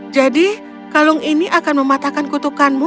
jadi kalung ini akan mematahkan kutukanmu